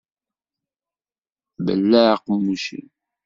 Belleɛ aqemmuc-im.